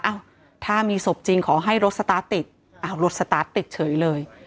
อ้าวถ้ามีศพจริงขอให้รถสตาร์ทติดอ้าวรถสตาร์ทติดเฉยเลย